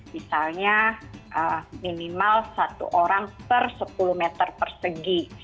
misalnya minimal satu orang per sepuluh meter persegi